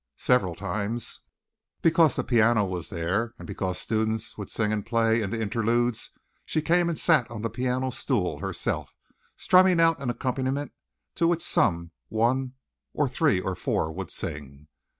Several times, because the piano was there, and because students would sing and play in the interludes, she came and sat on the piano stool herself, strumming out an accompaniment to which some one or three or four would sing.